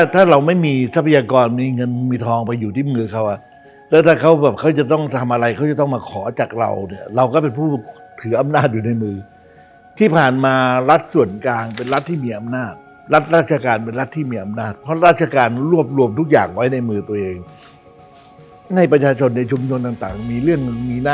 ถ้าเราไม่มีทรัพยากรมีเงินมีทองไปอยู่ที่มือเขาอ่ะแล้วถ้าเขาแบบเขาจะต้องทำอะไรเขาจะต้องมาขอจากเราเนี่ยเราก็เป็นผู้ถืออำนาจอยู่ในมือที่ผ่านมารัฐส่วนกลางเป็นรัฐที่มีอำนาจรัฐราชการเป็นรัฐที่มีอำนาจเพราะราชการรวบรวมทุกอย่างไว้ในมือตัวเองให้ประชาชนในชุมชนต่างมีเรื่องมีหน้า